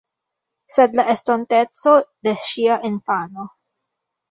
Sed la estonteco de ŝia infano.